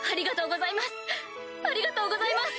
ありがとうございます！